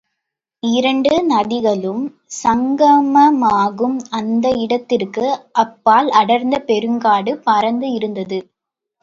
இரண்டு நதிகளும் சங்கமமாகும் அந்த இடத்திற்கு அப்பால் அடர்ந்த பெருங்காடு பரந்து இருந்தது.